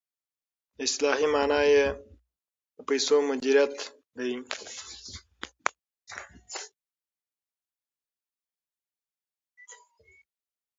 اصطلاحي معنی یې د پیسو مدیریت دی.